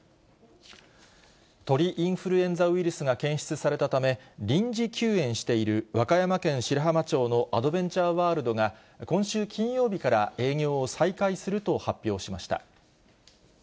鳥インフルエンザウイルスが検出されたため、臨時休園している和歌山県白浜町のアドベンチャーワールドが、今週金曜日から営業を再開すると発表しました。